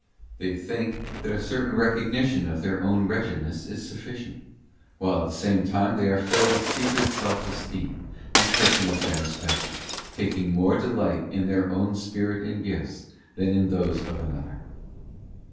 They think that a certain recognition of their own wretch edness is sufficient, while at the same time they are filled with secret self esteem and personal satisfaction, taking more delight in their own spirit and gifts than in those of another.